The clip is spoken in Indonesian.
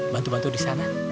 bantu bantu di sana